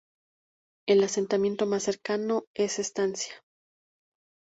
El asentamiento más cercano es Estancia.